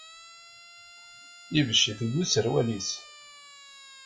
Ibecc deg userwal-is.